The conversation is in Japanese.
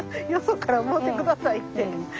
「よそからもうてください」って。